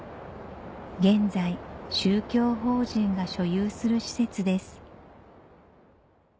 現在宗教法人が所有する施設です